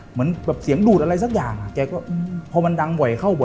เหมือนแบบเสียงดูดอะไรสักอย่างอ่ะแกก็พอมันดังบ่อยเข้า